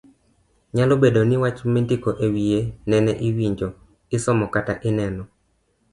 Nyalo bedo ni wach mindiko ewiye nene iwinjo, isomo kata ineno.